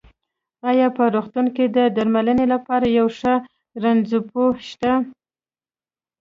ايا په روغتون کې د درمنلې لپاره يو ښۀ رنځپوۀ شته؟